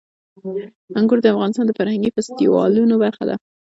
انګور د افغانستان د فرهنګي فستیوالونو برخه ده.